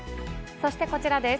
そしてこちらです。